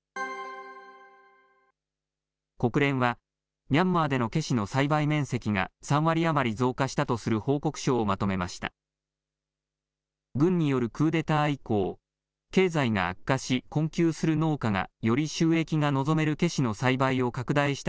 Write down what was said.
国連は、ミャンマーでのケシの栽培面積が３割余り増加したとする報告書をまとめました。